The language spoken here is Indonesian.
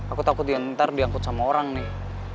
aku takut dia ntar dia antar sama orang nih